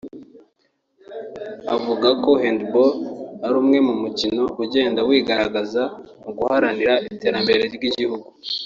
avuga ko Handball ari umwe mu mukino ugenda wigaragaza mu guharanira iterambere ry’igihugu